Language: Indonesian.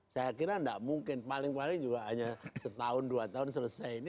saya kira tidak mungkin paling paling juga hanya setahun dua tahun selesai ini